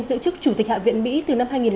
giữ chức chủ tịch hạ viện mỹ từ năm hai nghìn bảy